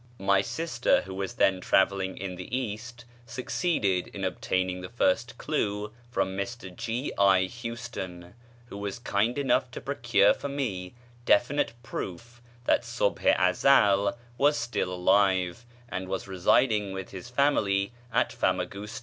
My sister, who was then travelling in the East, succeeded in obtaining the first clue from Mr G. L. Houston, who was kind enough to procure for me definite proof that Subh i Ezel was still alive and was residing with his family at Famagusta.